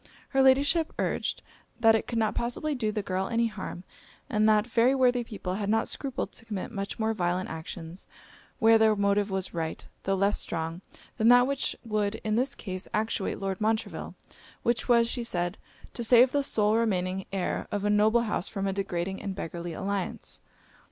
Her Ladyship urged 'That it could not possibly do the girl any harm; and that very worthy people had not scrupled to commit much more violent actions where their motive was right, tho' less strong, than that which would in this case actuate Lord Montreville, which was,' she said, 'to save the sole remaining heir of a noble house from a degrading and beggarly alliance.'